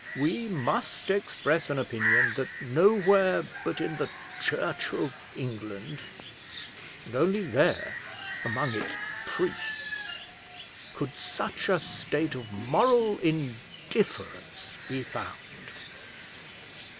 We must express an opinion that nowhere but in the Church of England, and only there among its priests, could such a state of moral indifference be found."